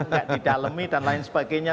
nggak didalemi dan lain sebagainya